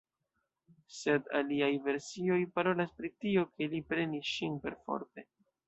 Sed aliaj versioj parolas pri tio, ke li prenis ŝin perforte.